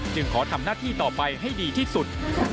ขอทำหน้าที่ต่อไปให้ดีที่สุด